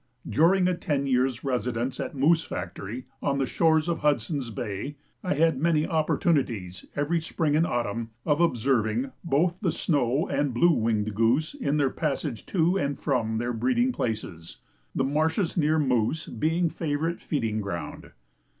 During a ten years' residence at Moose Factory, on the shores of Hudson's Bay, I had many opportunities, every spring and autumn, of observing both the snow and the blue winged goose in their passage to and from their breeding places, the marshes near Moose being favourite feeding ground.